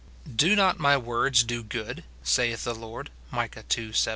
"Do not my words do good?" saith the Lord, Micsih ii.